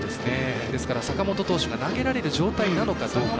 ですから坂本投手が投げられる状態なのかどうか。